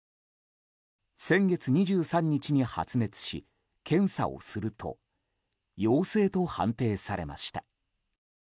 先月２３日に発熱し検査をすると陽性と判定されました。